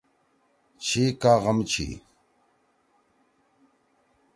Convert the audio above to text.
چھی کا غم چھی؟